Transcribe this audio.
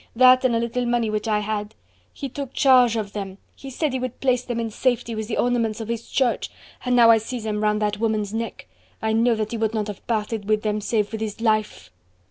that and a little money which I had... he took charge of them... he said he would place them in safety with the ornaments of his church, and now I see them round that woman's neck... I know that he would not have parted with them save with his life."